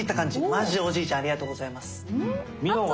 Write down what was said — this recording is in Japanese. マジおじいちゃんありがとうございます。